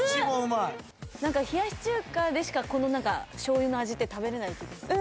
冷やし中華でしかこのしょうゆの味って食べれない気がする。